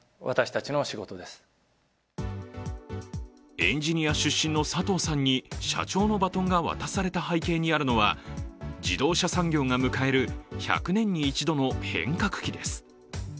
エンジニア出身の佐藤さんに社長のバトンが渡された背景にあるのは自動車産業が迎える１００年に一度の変革期です。